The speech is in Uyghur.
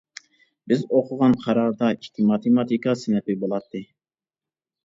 بىز ئوقۇغان قاراردا ئىككى ماتېماتىكا سىنىپى بولاتتى.